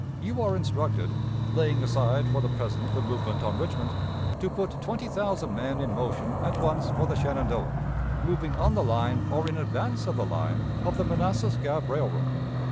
You are instructed, laying aside for the present the movement on Richmond, to put twenty thousand men in motion at once for the Shenandoah, moving on the line or in advance of the line of the Manassas Gap Railroad.